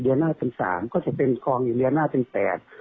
๕คิวต่อเดือนและมาทีละ๒คิวละ๓ละ๘ละ๒ละ๙ละ๙